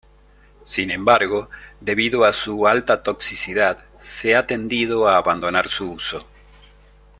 Sin embargo, debido a su alta toxicidad, se ha tendido a abandonar su uso.